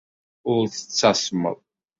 Ur tettasmeḍ.